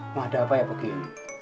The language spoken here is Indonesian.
mau ada apa ya pogi ini